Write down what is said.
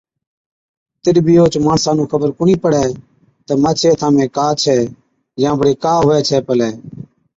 تِڏ بِي اوهچ ماڻسا نُون خبر ڪونهِي پڙَي تہ مانڇي هٿا ۾ ڪا ڇي يان بڙي ڪا هُوَي ڇَي پلَي۔